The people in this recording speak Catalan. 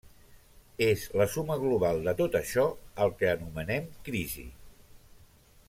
És la suma global de tot això el que anomenem crisi.